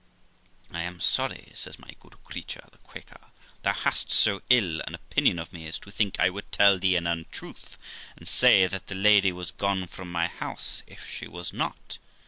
*I am sorry', says my good creature the Quaker, 'thou hast so ill an opinion of me as to think I would tell thee an untruth, and say that the Lady was gone from my house if she was not!